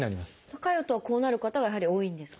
高い音はこうなる方がやはり多いんですか？